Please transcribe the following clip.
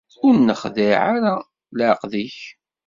Ur nexdiɛ ara leɛqed-ik.